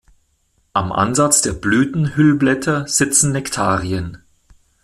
Am Ansatz der Blütenhüllblätter sitzen Nektarien.